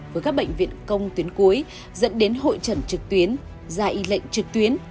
với các bệnh viện công tuyến cuối dẫn đến hội trần trực tuyến ra y lệnh trực tuyến